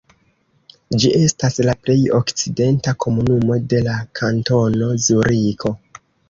Ĝi estas la plej okcidenta komunumo de la Kantono Zuriko.